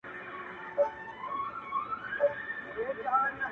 په مجلس کي ږغېدی لکه بلبله؛